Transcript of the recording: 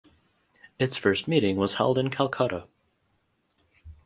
Its first meeting was held in Calcutta.